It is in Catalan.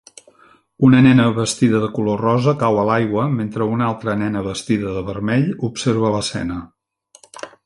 Una nena vestida de color rosa cau a l'aigua mentre una altra nena vestida de vermell observa l'escena.